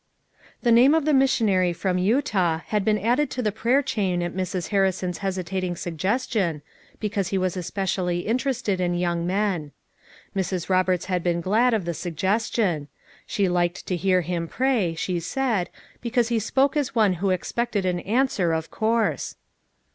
The name of the missionary from Utah had been added to the prayer chain at Mrs. Harri son's hesitating suggestion, because he was especially interested in young men. Mrs. Bob erts had been glad of the suggestion; she liked to hear him pray, she said, because he spoke as one who expected an answer of course.